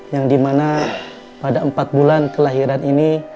yang dimana pada empat bulan kelahiran ini